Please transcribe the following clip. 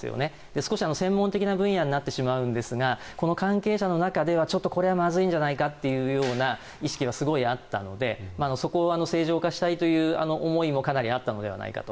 少し専門的な分野になりますがこの関係者の中ではこれはちょっとまずいんじゃないかという意識はすごいあったのでそこは正常化したいという思いもかなりあったのではないかと。